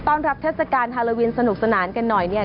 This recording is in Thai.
ต้องรับทรัศกาลฮาลาวินสนุกสนานกันหน่อย